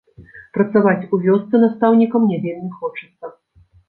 Працаваць у вёсцы настаўнікам не вельмі хочацца.